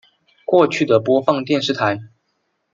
过去的播放电视台